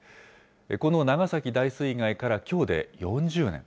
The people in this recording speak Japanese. この長崎大水害からきょうで４０年。